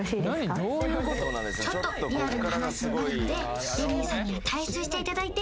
あっはいちょっとリアルな話になるのでレニーさんには退出していただいて